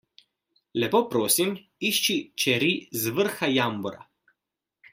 Lepo prosim, išči čeri z vrha jambora!